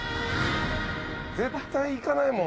絶対いかないもん。